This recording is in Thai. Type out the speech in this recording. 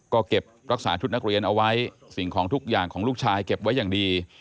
ก็เก็บรักษาชุดนักเรียนเอาไว้สิ่งของทุกอย่างของลูกชายเก็บไว้อย่างดี